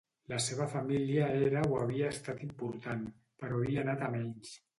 La seva família era o havia estat important, però havia anat a menys.